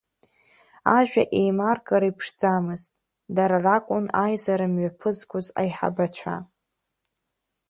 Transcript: Ажәа еимаркыр иԥшӡамызт, дара ракәын аизара мҩаԥызгоз, аиҳабацәа.